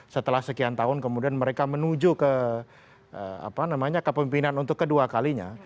setelah sekian tahun kemudian mereka menuju ke kepemimpinan untuk kedua kalinya